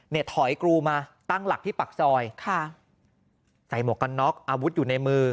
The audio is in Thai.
ถอยกรูมาตั้งหลักที่ปากซอยค่ะใส่หมวกกันน็อกอาวุธอยู่ในมือ